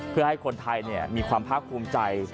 เพื่อให้คนไทยเนี่ยมีความภาพควมใจ